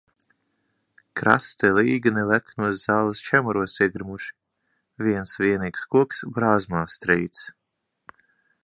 Krasti līgani leknos zāles čemuros iegrimuši, viens vienīgs koks brāzmās trīc.